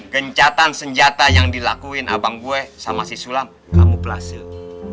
gencatan senjata yang dilakuin abang gue sama si sulam kamu berhasil